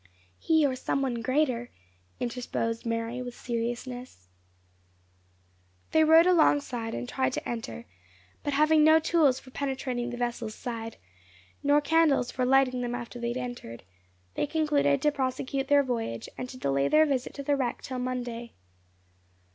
"He or some One greater," interposed Mary, with seriousness. They rowed alongside, and tried to enter; but having no tools for penetrating the vessel's side, nor candles for lighting them after they had entered, they concluded to prosecute their voyage, and to delay their visit to the wreck till Monday.